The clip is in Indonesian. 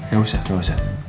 gak usah gak usah